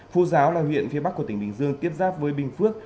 phu giáo là huyện phía bắc của tỉnh bình dương tiếp giáp với bình phước